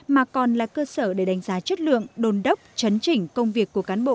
mà còn là cơ sở để đánh giá chất lượng đồn đốc chấn chỉnh công việc của cán bộ